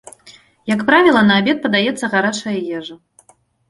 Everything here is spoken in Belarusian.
Як правіла на абед падаецца гарачая ежа.